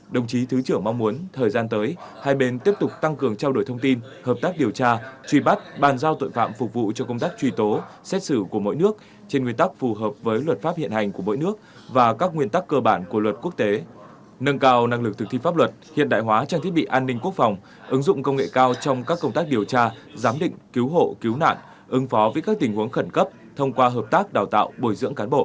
đồng chí thứ trưởng mong muốn thời gian tới hai bên tiếp tục tăng cường trao đổi thông tin hợp tác điều tra truy bắt bàn giao tội phạm phục vụ cho công tác truy tố xét xử của mỗi nước trên nguyên tắc phù hợp với luật pháp hiện hành của mỗi nước và các nguyên tắc cơ bản của luật quốc tế nâng cao năng lực thực thi pháp luật hiện đại hóa trang thiết bị an ninh quốc phòng ứng dụng công nghệ cao trong các công tác điều tra giám định cứu hộ cứu nạn ứng phó với các tình huống khẩn cấp thông qua hợp tác đào tạo bồi d